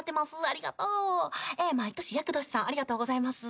ありがとうございます。